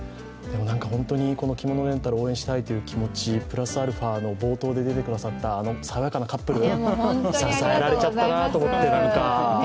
着物レンタル応援したいという気持ち、プラスアルファ、冒頭で出てくださった、爽やかなカップル支えられちゃったなと思って、なんか。